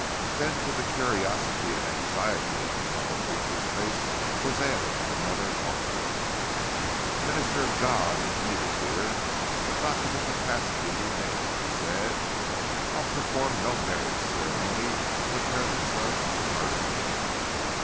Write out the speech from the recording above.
Then to the curiosity and anxiety upon the preacher's face was added horror. "A minister of God is needed here, but not in the capacity you name," he said. "I'll perform no marriage ceremony in the presence of murder."